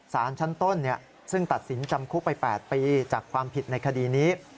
สารชั้นต้นซึ่งตัดสินจำคุกไป๘ปีจากความผิดในคดีนี้